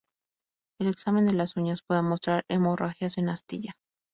El examen de las uñas puede mostrar hemorragias en astilla.